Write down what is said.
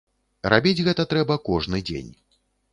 Рабіць гэта трэба кожны дзень.